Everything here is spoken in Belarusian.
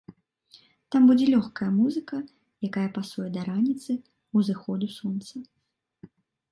Там будзе лёгкая музыка, якая пасуе да раніцы, узыходу сонца.